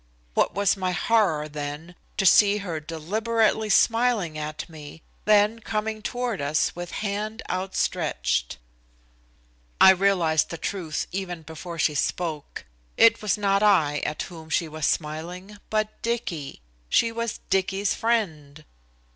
What was my horror, then, to see her deliberately smiling at me, then coming toward us with hand outstretched. I realized the truth even before she spoke. It was not I at whom she was smiling, but Dicky. She was Dicky's friend!